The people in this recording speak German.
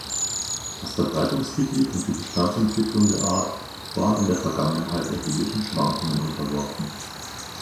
Das Verbreitungsgebiet und die Bestandsentwicklung der Art waren in der Vergangenheit erheblichen Schwankungen unterworfen.